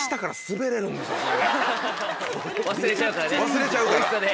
忘れちゃうからね。